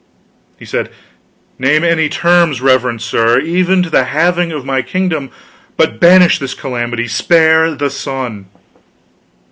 He said: "Name any terms, reverend sir, even to the halving of my kingdom; but banish this calamity, spare the sun!"